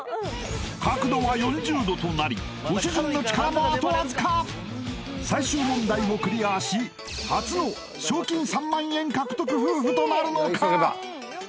角度は４０度となりご主人の力もあとわずか初の賞金３万円獲得夫婦となるのか？